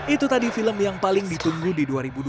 itu tadi film yang paling ditunggu di dua ribu dua puluh